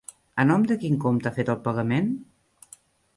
A nom de quin compte ha fet el pagament?